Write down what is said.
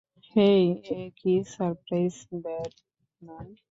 হেই, এ কী সারপ্রাইজ, ব্যাটমান!